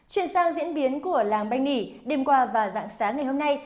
chuyển sang diễn biến của làng banh nghỉ đêm qua và dạng sáng ngày hôm nay